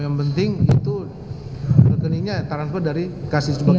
yang penting itu rekeningnya transfer dari kasih sebagian